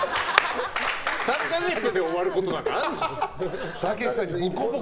３か月で終わることなんかあるの。